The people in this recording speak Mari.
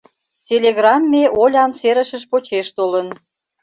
Телеграмме Олян серышыж почеш толын.